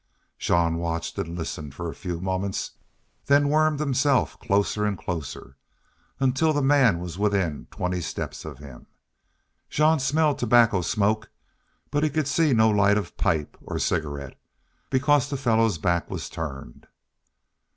Jean watched and listened a few moments, then wormed himself closer and closer, until the man was within twenty steps of him. Jean smelled tobacco smoke, but could see no light of pipe or cigarette, because the fellow's back was turned.